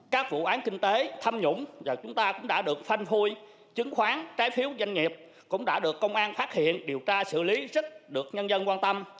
các vụ án kinh tế thâm nhũng và chúng ta cũng đã được phanh hôi chứng khoán trái phiếu doanh nghiệp cũng đã được công an phát hiện điều tra xử lý rất được nhân dân quan tâm